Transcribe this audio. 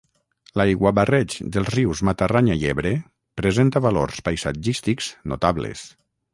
L'aiguabarreig dels rius Matarranya i Ebre presenta valors paisatgístics notables.